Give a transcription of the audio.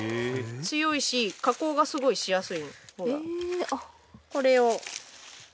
強いし加工がすごいしやすいの。